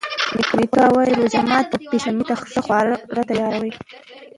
میکا وايي روژه ماتي او پیشلمي ته ښه خواړه تیاروي.